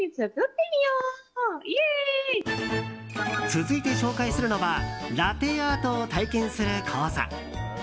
続いて紹介するのはラテアートを体験する講座。